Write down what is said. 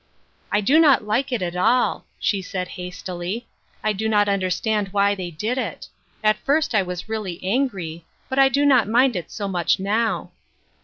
" I do not like it at all," she said hastily. " I do not understand why they did it. At first I was really angry, but I do not mind it so much now."